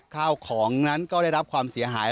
ข้าวของนั้นก็ได้รับความเสียหาย